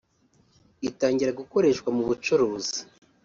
itangira gukoreshwa mu bucuruzi